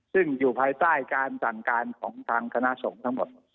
ซึ่งอยู่ภายใต้การสั่งการของทางคณะสงฆ์ทั้งหมด